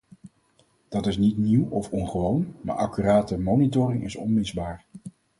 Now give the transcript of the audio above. Dat is niet nieuw of ongewoon, maar accurate monitoring is onmisbaar.